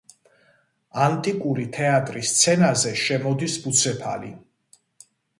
ანტიკური თეატრის სცენაზე შემოდის ბუცეფალი.